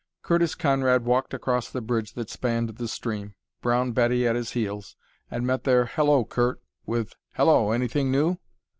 Curtis Conrad walked across the bridge that spanned the stream, Brown Betty at his heels, and met their "Hello, Curt!" with "Hello! Anything new?"